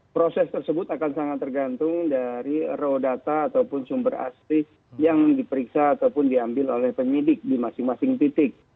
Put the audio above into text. proses tersebut akan sangat tergantung dari raw data ataupun sumber asli yang diperiksa ataupun diambil oleh penyidik di masing masing titik